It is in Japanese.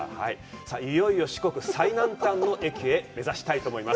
さあ、いよいよ四国最南端の駅へ、目指したいと思います。